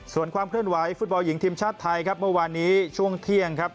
ส่วนความเคลื่อนไหวฟุตบอลหญิงทีมชาติไทยครับเมื่อวานนี้ช่วงเที่ยงครับ